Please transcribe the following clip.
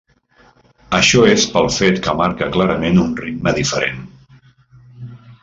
Això és pel fet que marca clarament un ritme diferent.